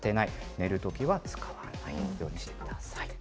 寝るときは使わないようにしてください。